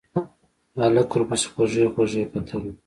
هلک ورپسې خوږې خوږې کتلې.